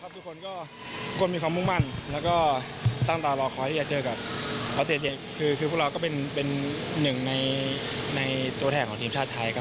ทุกคนก็มีความมุ่งมั่นแล้วก็ตั้งตารอคอยที่จะเจอกับอาเซียคือพวกเราก็เป็นหนึ่งในตัวแทนของทีมชาติไทยครับ